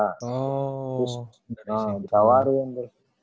terus di tawarin terus